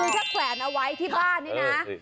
คือถ้าแขวนเอาไว้ที่บ้านนี่นะ